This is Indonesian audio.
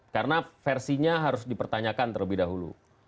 karena versinya harus di pertanyakan terlebih dahulu